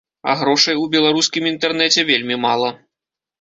А грошай у беларускім інтэрнэце вельмі мала.